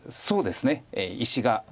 そうですね石が。